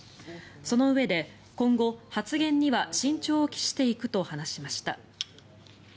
そのうえで今後、発言には慎重を期していくと話しました。